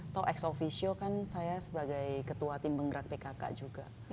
tau ex officio kan saya sebagai ketua tim penggerak pkk juga